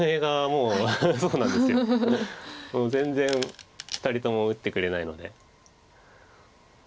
もう全然２人とも打ってくれないので。